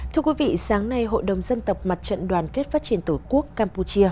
thưa quý vị sáng nay hội đồng dân tộc mặt trận đoàn kết phát triển tổ quốc campuchia